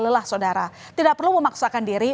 lelah saudara tidak perlu memaksakan diri